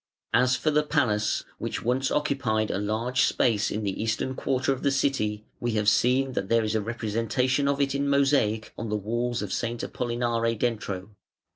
As for the Palace, which once occupied a large space in the eastern quarter of the city, we have seen that there is a representation of it in mosaic on the walls of S. Apollinare Dentro.